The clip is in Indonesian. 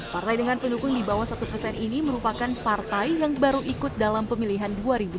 partai dengan pendukung di bawah satu persen ini merupakan partai yang baru ikut dalam pemilihan dua ribu dua puluh